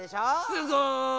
すごい。